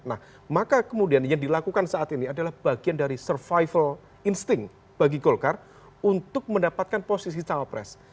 nah maka kemudian yang dilakukan saat ini adalah bagian dari survival insting bagi golkar untuk mendapatkan posisi cawapres